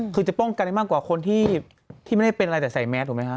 คือจะป้องกันได้มากกว่าคนที่ไม่ได้เป็นอะไรแต่ใส่แมสถูกไหมคะ